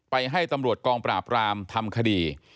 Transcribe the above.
ให้ตำรวจกองปราบรามทำคดี